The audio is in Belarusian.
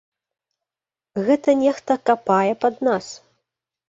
Гэта нехта капае пад нас!